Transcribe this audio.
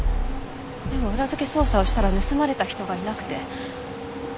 でも裏付け捜査をしたら盗まれた人がいなくて。